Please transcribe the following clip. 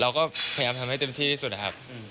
เราก็พยายามทำให้เต็มที่ที่สุดนะครับ